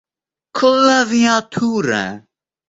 Клавиатура